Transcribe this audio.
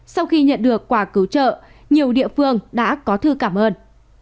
sau khi nhận được quả cứu trợ nhiều địa phương đã có thư cảm ơn